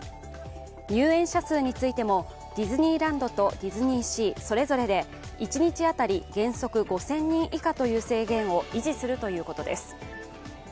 入園者数についてもディズニーランドとディズニーシーそれぞれで一日当たり原則５０００人以下という制限を維持するということです。